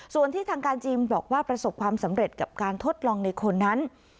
ส่วนที่ทางการจีนบอกว่าประสบความสำเร็จกับการทดลองในคนนั้น